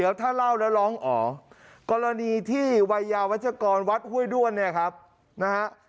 เดี๋ยวถ้าเล่าแล้วร้องอ๋อกรณีที่วัยยาวัชกรวัดห้วยด้วนเนี่ยครับนะฮะ